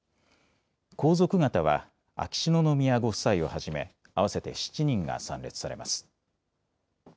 皇族方は、秋篠宮ご夫妻をはじめ、合わせて７人が参列されます。